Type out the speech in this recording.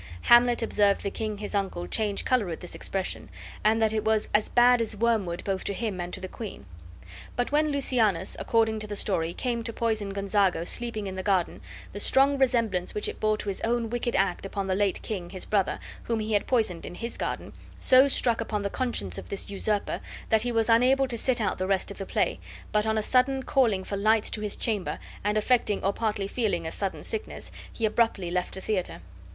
Hamlet observed the king his uncle change color at this expression, and that it was as bad as wormwood both to him and to the queen. But when Lucianus, according to the story, came to poison Gonzago sleeping in the garden, the strong resemblance which it bore to his own wicked act upon the late king, his brother, whom he had poisoned in his garden, so struck upon the conscience of this usurper that he was unable to sit out the rest of the play, but on a sudden calling for lights to his chamber, and affecting or partly feeling a sudden sickness, he abruptly left the theater.